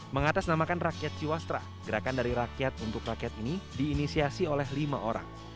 mengatasnamakan rakyat ciwastra gerakan dari rakyat untuk rakyat ini diinisiasi oleh lima orang